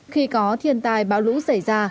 khi có thiên tài bão lũ xảy ra